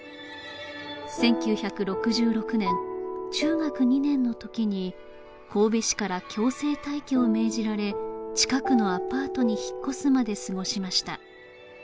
１９６６年中学２年の時に神戸市から強制退去を命じられ近くのアパートに引っ越すまで過ごしました